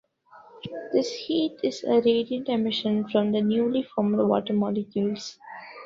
This heat is a radiant emission from the newly formed water molecules.